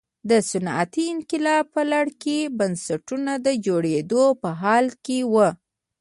د صنعتي انقلاب په لړ کې بنسټونه د جوړېدو په حال کې وو.